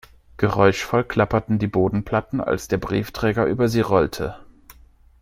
Geräuschvoll klapperten die Bodenplatten, als der Briefträger über sie rollte.